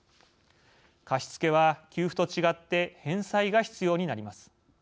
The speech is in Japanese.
貸付は給付と違って返済が必要になります。